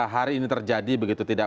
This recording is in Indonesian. hari ini terjadi begitu tidak